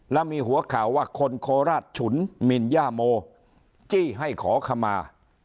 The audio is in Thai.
แล้วมีหัวข่าวว่าคนโคราชฉุนมินย่าโมจี้ให้ขอขมา